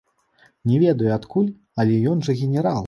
Не ведаю адкуль, але ён жа генерал!